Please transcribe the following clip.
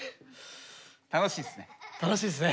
楽しいですね。